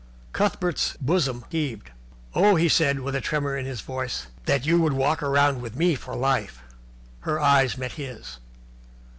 Cuthbert's bosom heaved. "Oh," he said, with a tremor in his voice, "that you would walk round with me for life!" Her eyes met his.